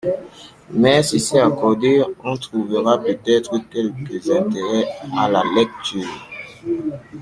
Mais, ceci accordé, on trouvera peut-être quelque intérêt à la lecture.